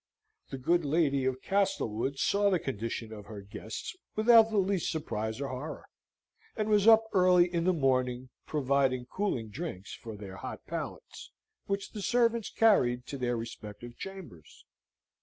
The good lady of Castlewood saw the condition of her guests without the least surprise or horror; and was up early in the morning, providing cooling drinks for their hot palates, which the servants carried to their respective chambers.